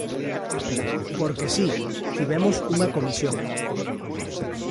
Porque si, tivemos unha comisión.